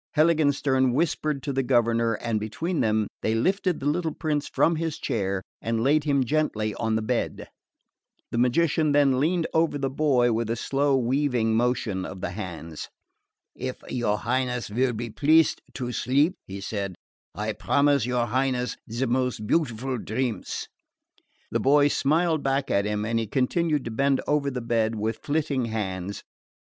Heiligenstern whispered to the governor and between them they lifted the little prince from his chair and laid him gently on the bed. The magician then leaned over the boy with a slow weaving motion of the hands. "If your Highness will be pleased to sleep," he said, "I promise your Highness the most beautiful dreams." The boy smiled back at him and he continued to bend above the bed with flitting hands.